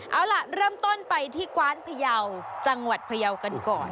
เอาล่ะเริ่มต้นไปที่กว้านพยาวจังหวัดพยาวกันก่อน